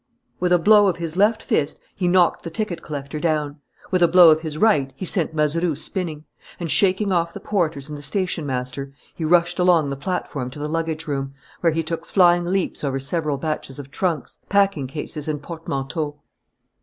With a blow of his left fist he knocked the ticket collector down; with a blow of his right he sent Mazeroux spinning; and shaking off the porters and the station master, he rushed along the platform to the luggage room, where he took flying leaps over several batches of trunks, packing cases, and portmanteaux.